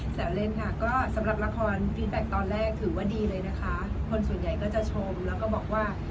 แซวเล่นค่ะก็สำหรับละครฟีดแท็กตอนแรกถือว่าดีเลยนะคะคนส่วนใหญ่ก็จะชมแล้วก็บอกว่า